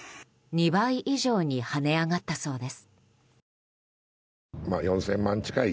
２倍以上に跳ね上がったそうです。